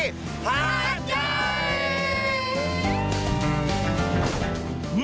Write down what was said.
ภาคใหญ่